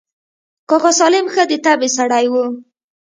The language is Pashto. کاکا سالم ښه د طبعې سړى و.